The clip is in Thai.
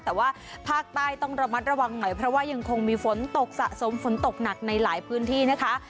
แต่ว่าภาคใต้ต้องระมัดระวังหน่อยเพราะว่ายังคงมีฝนตกสะสมฝนตกหนักในหลายพื้นที่นะคะ